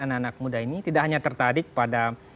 anak anak muda ini tidak hanya tertarik pada